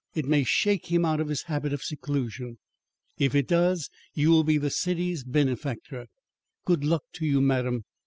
It may shake him out of his habit of seclusion. If it does, you will be the city's benefactor. Good luck to you, madam.